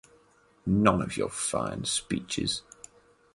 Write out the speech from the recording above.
None of your fine speeches.